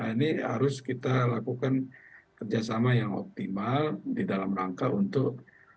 ini harus kita lakukan kerjasama yang optimal di dalam rangka untuk